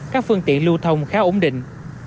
các phương tiện lưu thông khá ổn định